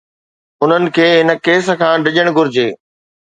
انهن کي هن ڪيس کان ڊڄڻ گهرجي.